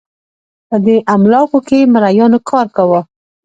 په دې املاکو کې مریانو کار کاوه